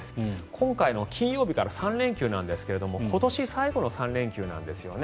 今回の金曜日から３連休なんですが今年最後の３連休なんですよね。